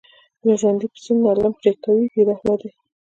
له ژوندي پسه نه لم پرې کوي بې رحمه دي.